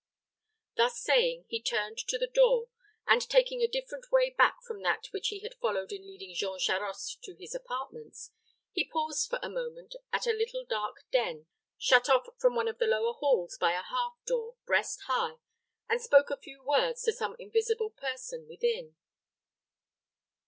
Thus saying, he turned to the door, and, taking a different way back from that which he had followed in leading Jean Charost to his apartments, he paused for a moment at a little dark den, shut off from one of the lower halls by a half door, breast high, and spoke a few words to some invisible person within.